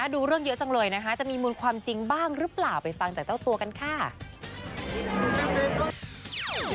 ดูเรื่องเยอะจังเลยนะคะจะมีมูลความจริงบ้างหรือเปล่าไปฟังจากเจ้าตัวกันค่ะ